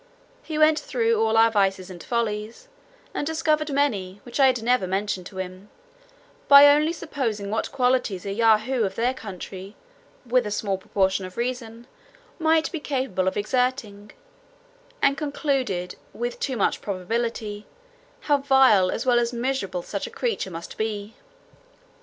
He went through all our vices and follies, and discovered many, which I had never mentioned to him, by only supposing what qualities a Yahoo of their country, with a small proportion of reason, might be capable of exerting; and concluded, with too much probability, "how vile, as well as miserable, such a creature must be."